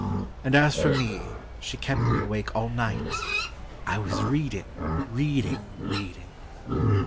and as for me, she kept me awake all night; I was reading, reading, reading!"